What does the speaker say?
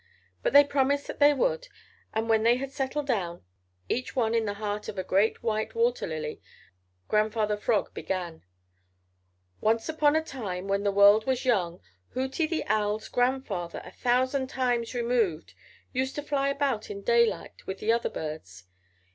But they promised that they would, and when they had settled down, each one in the heart of a great white water lily, Grandfather Frog began: "Once upon a time, when the world was young, Hooty the Owl's grandfather a thousand times removed used to fly about in daylight with the other birds.